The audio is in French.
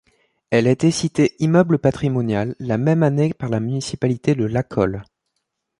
Elle a été citée immeuble patrimonial la même année par la municipalité de Lacolle.